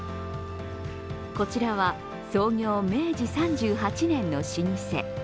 こちらは創業明治３８年の老舗。